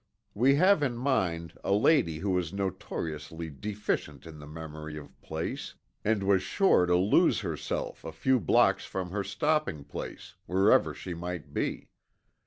We have in mind a lady who was notoriously deficient in the memory of place, and was sure to lose herself a few blocks from her stopping place, wherever she might be.